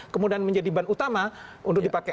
kemudian menjadi ban utama untuk dipakai